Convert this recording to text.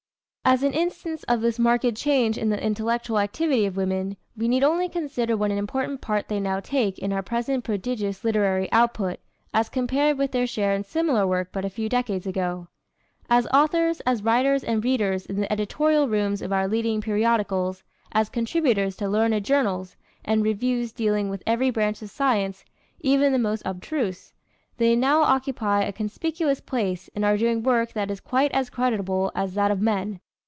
As an instance of this marked change in the intellectual activity of women, we need only consider what an important part they now take in our present prodigious literary output, as compared with their share in similar work but a few decades ago. As authors, as writers and readers in the editorial rooms of our leading periodicals, as contributors to learned journals and reviews dealing with every branch of science, even the most abstruse, they now occupy a conspicuous place and are doing work that is quite as creditable as that of men.